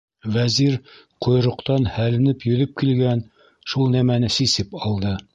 Вәзир ҡойроҡтан һәленеп йөҙөп килгән шул нәмәне сисеп алды.